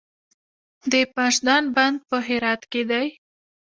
د پاشدان بند په هرات کې دی